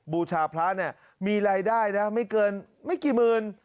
บูชาพระเนี่ยมีรายได้นะไม่เกินไม่กี่หมื่น